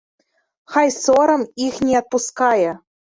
Хай сорам іх не адпускае.